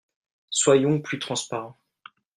Soyons plus transparents.